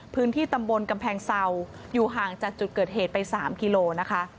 พื้นที่ตำบลกำแพงเศร้าอยู่ห่างจากจุดเกิดเหตุไป๓กิโลนะคะ